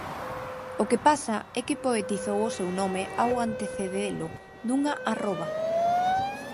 O que pasa é que poetizou o seu nome ao antecedelo dunha arroba.